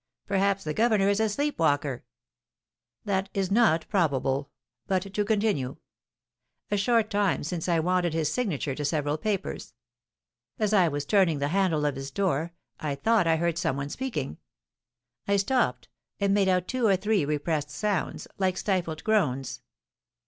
"Perhaps the governor is a sleep walker?" "That is not probable. But, to continue; a short time since I wanted his signature to several papers. As I was turning the handle of his door, I thought I heard some one speaking. I stopped, and made out two or three repressed sounds, like stifled groans.